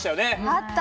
あった！